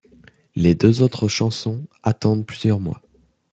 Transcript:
Les deux autres chansons attendent plusieurs mois.